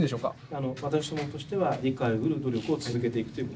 あの私どもとしては理解をうる努力を続けていくという。